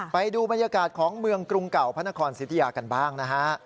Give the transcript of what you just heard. ไปดูบรรยากาศของเมืองกรุงเก่าพระนครสิทธิยากันบ้างนะฮะ